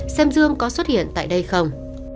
xem dương có xuất hiện tại đây không